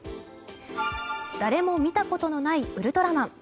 誰も見たことのないウルトラマン。